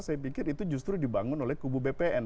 saya pikir itu justru dibangun oleh kubu bpn